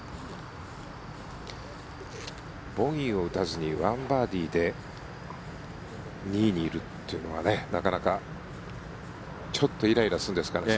ボギーを打たずに１バーディーで２位にいるというのはなかなか、ちょっとイライラするんですかね。